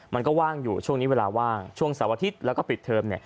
ว่างอยู่ช่วงนี้เวลาว่างช่วงเสาร์อาทิตย์แล้วก็ปิดเทอม